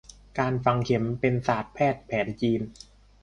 การฝังเข็มเป็นศาสตร์แพทย์แผนจีน